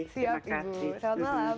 siap ibu selamat malam